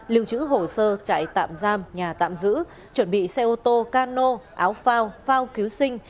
lưu trữ hồ sơ chạy tạm giam nhà tạm giữ chuẩn bị xe ô tô cano áo phao phao cứu sinh